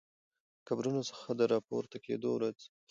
له قبرونو څخه د راپورته کیدو ورځ